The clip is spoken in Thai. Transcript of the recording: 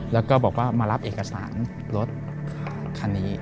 แล้วก็บอกว่ามารับเอกสารรถคันนี้